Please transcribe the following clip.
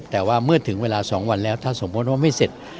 แต่ว่าเมื่อถึงเวลา๒วันแล้วถ้าสมมุติว่าไม่เสร็จ